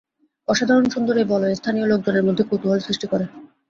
অসাধারণ সুন্দর এই বলয় স্থানীয় লোকজনের মধ্যে কৌতূহল সৃষ্টি করে।